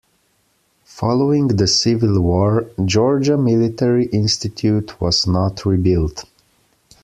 Following the Civil War, Georgia Military Institute was not rebuilt.